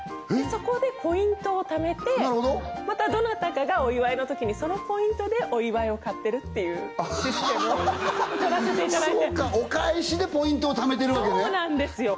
そこでポイントを貯めてまたどなたかがお祝いのときにそのポイントでお祝いを買ってるっていうシステムを取らせていただいてそうかお返しでポイントを貯めてるわけねそうなんですよ